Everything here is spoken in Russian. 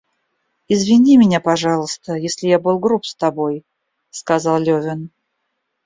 Извини меня, пожалуйста, если я был груб с тобой, — сказал Левин.